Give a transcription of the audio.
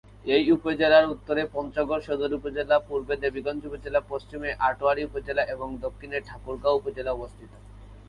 এই উপজেলার উত্তরে পঞ্চগড় সদর উপজেলা, পূর্বে দেবীগঞ্জ উপজেলা, পশ্চিমে আটোয়ারী উপজেলা, এবং দক্ষিণে ঠাকুরগাঁও সদর উপজেলা অবস্থিত।